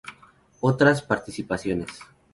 Otras participaciones